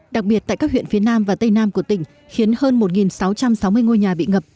đặc biệt tại các huyện phía nam và tây nam của tỉnh khiến hơn một sáu trăm sáu mươi ngôi nhà bị ngập